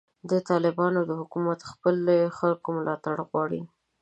د طالبانو حکومت د خپلو خلکو ملاتړ غواړي.